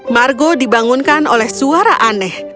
margo dibangunkan oleh suara aneh